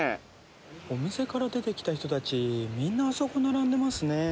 お店から出てきた人たちみんなあそこ並んでますね。